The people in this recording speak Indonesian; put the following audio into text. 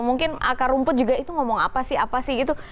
mungkin akar rumput juga itu ngomong apa sih apa sih gitu